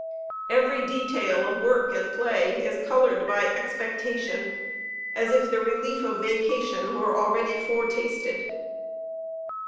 Every detail of work and play is colored by expectation, as if the relief of vacation were already foretasted.